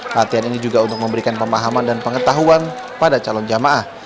latihan ini juga untuk memberikan pemahaman dan pengetahuan pada calon jamaah